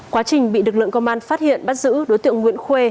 quá trình bị lực lượng công an phát hiện bắt giữ đối tượng nguyễn khuê